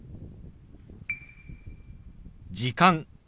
「時間」。